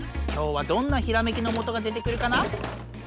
今日はどんなひらめきのもとが出てくるかな？